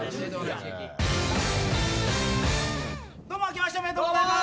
どうもあけましておめでとうございます。